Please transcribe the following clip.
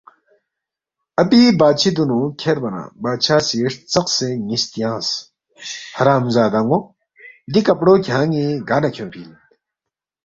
اپی بادشی دُونُو کھیربا نہ بادشاہ سی ہرژقسے نِ٘یس تیانگس، حرامزادان٘و دی کپڑو کھیان٘ی گار نہ کھیونگفی اِن؟